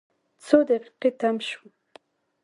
څو دقیقې تم شوو.